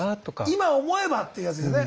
今思えばってやつですね。